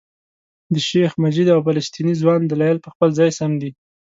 د شیخ مجید او فلسطیني ځوان دلایل په خپل ځای سم دي.